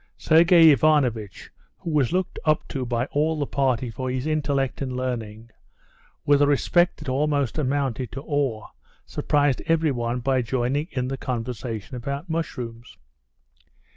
Sergey Ivanovitch, who was looked up to by all the party for his intellect and learning, with a respect that almost amounted to awe, surprised everyone by joining in the conversation about mushrooms.